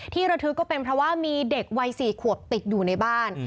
ระทึกก็เป็นเพราะว่ามีเด็กวัย๔ขวบติดอยู่ในบ้าน